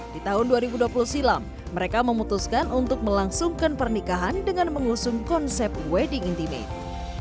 di tahun dua ribu dua puluh silam mereka memutuskan untuk melangsungkan pernikahan dengan mengusung konsep wedding intimate